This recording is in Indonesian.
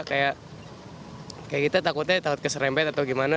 kayak kita takutnya takut keserempet atau gimana